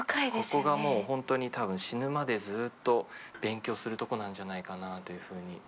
ここがもうほんとにたぶん死ぬまでずっと勉強するとこなんじゃないかなというふうに。